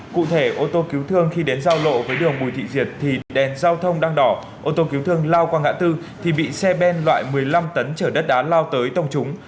cụ thể ô tô cứu thương khi đến giao lộ với đường bùi thị diệp thì đèn giao thông đang đỏ ô tô cứu thương lao qua ngã tư thì bị xe ben loại một mươi năm tấn chở đất đá lao tới tông trúng